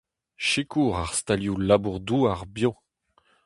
Sikour ar stalioù labour-douar bio.